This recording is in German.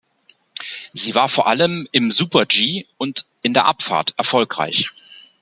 Sie war vor allem im Super-G und in der Abfahrt erfolgreich.